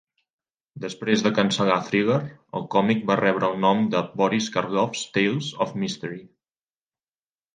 Després de cancel·lar "Thriller", el còmic va rebre el nom de "Boris Karloff's Tales of Mystery".